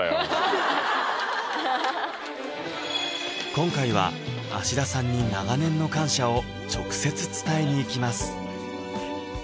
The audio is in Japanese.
今回は芦田さんに長年の感謝を直接伝えに行きます